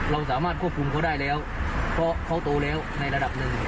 เราสามารถควบคุมเขาได้แล้วเพราะเขาโตแล้วในระดับหนึ่ง